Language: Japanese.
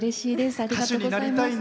ありがとうございます。